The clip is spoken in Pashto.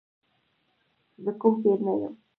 زه کوم پیر نه یم.